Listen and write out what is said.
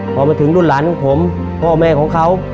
พอมาถึงรุ่นหลานของผมพ่อแม่ของเขา